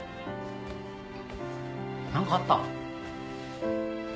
何かあった？